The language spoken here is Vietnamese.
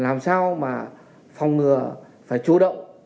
làm sao mà phòng ngừa phải chủ động